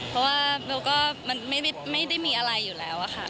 เพราะว่าเบลก็มันไม่ได้มีอะไรอยู่แล้วค่ะ